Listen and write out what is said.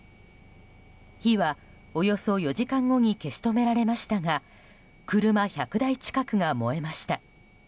火はおよそ４時間後に消し止められましたが車１００台近くが燃えました。